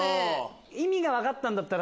意味が分かったんだったら。